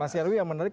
mas yerwi yang menarik